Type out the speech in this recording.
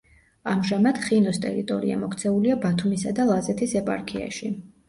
ამჟამად ხინოს ტერიტორია მოქცეულია ბათუმისა და ლაზეთის ეპარქიაში.